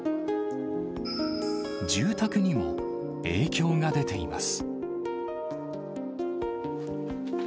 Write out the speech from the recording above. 住宅にも影響が出ています。